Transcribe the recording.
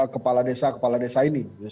kepala desa kepala desa ini